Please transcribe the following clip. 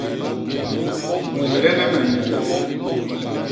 Huulene me mbôñ.